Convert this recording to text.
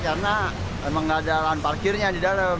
karena memang tidak ada lahan parkirnya di dalam